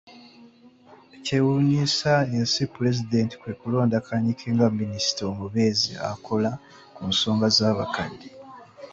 Ekyewuunyisa ensi, Pulezidenti kwe kulonda Kanyike nga minisita omubeezi akola ku nsonga z’abakadde.